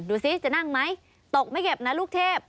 ดูสิจะนั่งไหมตกไม่เก็บนะลูกเทพ